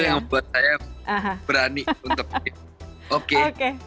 itu yang membuat saya berani untuk oke